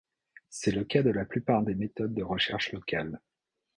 C’est le cas de la plupart des méthodes de recherche locale.